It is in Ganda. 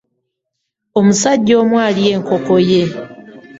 Omusajja omu alya enkoko ye.